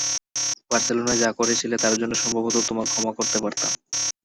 বার্সেলোনায় যা করেছিলে তার জন্য সম্ভবত তোমার ক্ষমা করতে পারতাম।